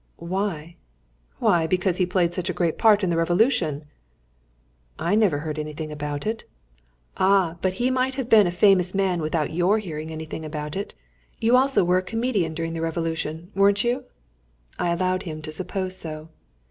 "Why?" "Why, because he played such a great part in the Revolution." "I never heard anything about it." "Ah! but he might have been a famous man without your hearing anything about it. You also were a comedian during the Revolution, weren't you?" I allowed him to suppose so.